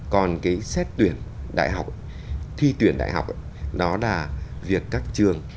còn cái xét tuyển đại học thi tuyển đại học nó là việc các trường